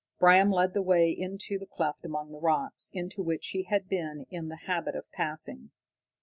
Bram led the way into the cleft among the rocks into which he had been in the habit of passing.